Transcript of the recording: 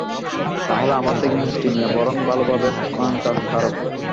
তাহলে আমার থেকে মুক্তি নিয়ে বরং ভালোভাবে স্নানটা সারো।